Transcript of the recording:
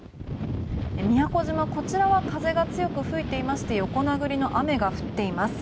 宮古島は風が強く吹いていまして横殴りの雨が降っています。